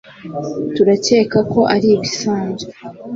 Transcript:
turakeka ko ari ibisanzwe